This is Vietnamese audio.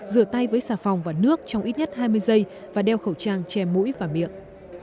rửa tay với xà phòng và nước trong ít nhất hai mươi giây và đeo khẩu trang che mũi và miệng